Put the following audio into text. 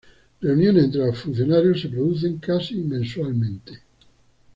Reuniones entre los funcionarios se producen casi mensualmente.